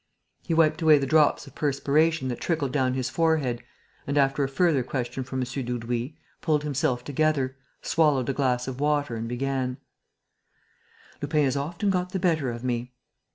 He wiped away the drops of perspiration that trickled down his forehead and, after a further question from M. Dudouis, pulled himself together, swallowed a glass of water and began: "Lupin has often got the better of me...."